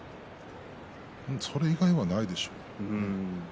それ以外はないでしょうね。